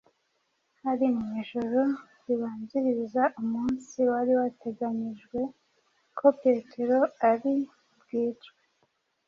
Hari mu ijoro ribanziriza umunsi wari wateganyijwe ko Petero ari bwicwe.